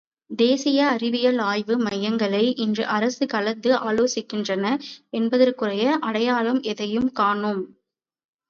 தேசிய அறிவியல் ஆய்வு மையங்களை இன்று அரசு கலந்து ஆலோசிக்கின்றன என்பதற்குரிய அடையாளம் எதையும் காணோம்.